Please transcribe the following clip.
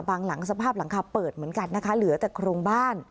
หลังสภาพหลังคาเปิดเหมือนกันนะคะเหลือแต่โครงบ้าน